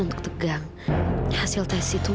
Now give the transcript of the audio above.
untuk tegang hasil tes itu